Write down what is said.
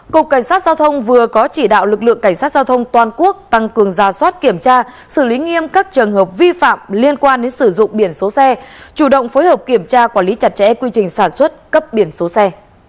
cục cảnh sát giao thông vừa có chỉ đạo lực lượng cảnh sát giao thông toàn quốc tăng cường ra soát kiểm tra xử lý nghiêm các trường hợp vi phạm liên quan đến sử dụng biển số xe chủ động phối hợp kiểm tra quản lý chặt chẽ quy trình sản xuất cấp biển số xe